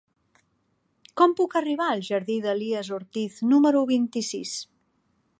Com puc arribar al jardí d'Elies Ortiz número vint-i-sis?